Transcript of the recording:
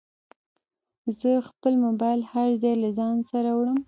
زه خپل موبایل هر ځای له ځانه سره وړم.